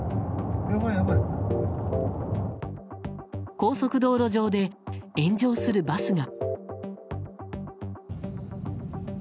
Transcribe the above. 高速道路上で炎上するバスが。